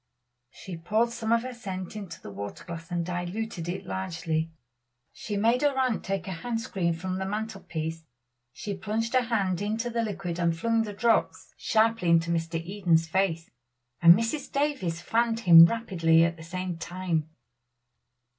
She poured some of her scent into a water glass and diluted it largely. She made her aunt take a hand screen from the mantel piece. She plunged her hand into the liquid and flung the drops sharply into Mr. Eden's face; and Mrs. Davies fanned him rapidly at the same time.